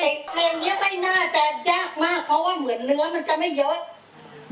เพลงนี้ไม่น่าจะยากมากเพราะว่าเหมือนเนื้อมันจะไม่เยอะ